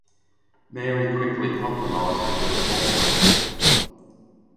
Mary quickly compromised with the reformers.